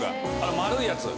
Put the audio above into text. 丸いやつ？